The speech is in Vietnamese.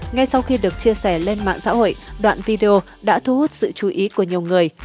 ngay sau khi được chia sẻ lên mạng xã hội đoạn video đã thu hút sự chú ý của nhiều người